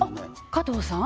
加藤さん？